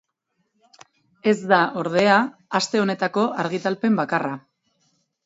Ez da, ordea, aste honetako argitalpen bakarra.